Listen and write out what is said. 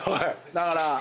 だから。